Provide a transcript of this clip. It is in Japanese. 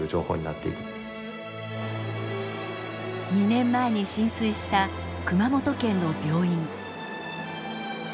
２年前に浸水した熊本県の病院。